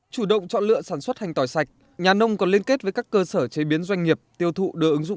chủ động chọn lựa sản xuất hành tỏi sạch nhà nông còn liên kết với các cơ sở chế biến doanh nghiệp tiêu thụ đồ ứng dụng công nghệ viên